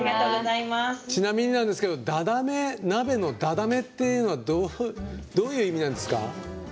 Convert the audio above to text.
ちなみになんですけどダダメ鍋のダダメっていうのはどういう意味なんですか？